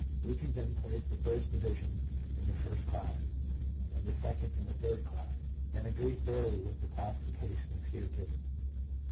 We can then place the first division in the first class, and the second in the third class, and agree thoroughly with the classification as here given.